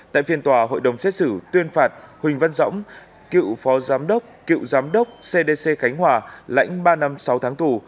tại phiên tòa hội đồng xét xử tuyên phạt huỳnh văn dõng cựu phó giám đốc cựu giám đốc cdc khánh hòa lãnh ba năm sáu tháng tù